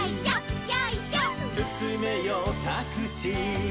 「すすめよタクシー」